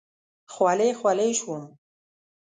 خولې خولې شوم.